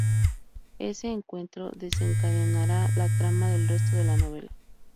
Ese encuentro desencadenará la trama del resto de la novela.